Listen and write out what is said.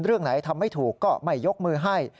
เรื่องไหนทำไม่ถูกก็ไม่ยกมือให้